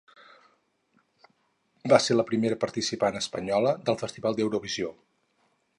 Va ser la primera participant espanyola del Festival d'Eurovisió.